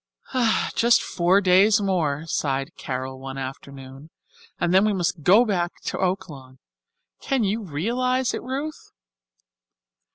"Just four days more," sighed Carol one afternoon, "and then we must go back to Oaklawn. Can you realize it, Ruth?"